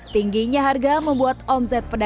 tingginya harga membuat omset pedagang